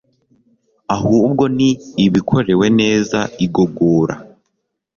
ahubwo ni ibikorewe neza igogora